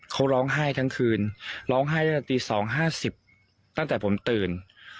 เขาร้องไห้ทั้งคืนร้องไห้ตั้งแต่ตี๒๕๐ตั้งแต่ผมตื่น